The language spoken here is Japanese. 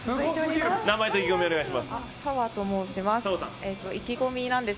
名前と意気込みをお願いします。